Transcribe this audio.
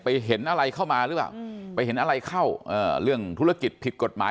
เห็นอะไรเข้ามาหรือเปล่าไปเห็นอะไรเข้าเรื่องธุรกิจผิดกฎหมาย